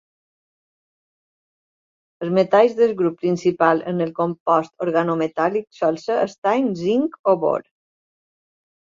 Els metalls del grup principal en el compost organometàl·lic sol ser estany, zinc, o bor.